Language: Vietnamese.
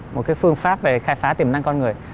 một cái phương pháp về khai phá tiềm năng con người